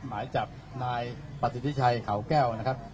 หมายจับนายปฏิพิชัยเขาแก้วนะครับ